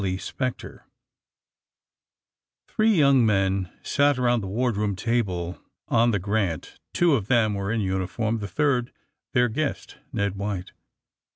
y'' SPECTKE HREE young men sat about the ward room table on the *^ Grant/' Two of tbem were in nniform, the third, tbeir guest, Ned "White.